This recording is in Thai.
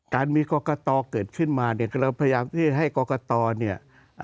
การมีกรกตเกิดขึ้นมาเนี่ยเราพยายามที่ให้กรกตเนี่ย